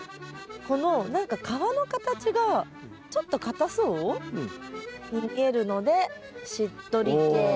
この何か皮の形がちょっと硬そうに見えるのでしっとり系。